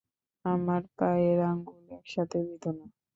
আমরা পায়ের আঙ্গুল একসাথে বেঁধো না।